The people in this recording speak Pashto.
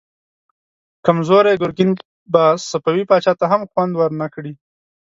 کمزوری ګرګين به صفوي پاچا ته هم خوند ورنه کړي.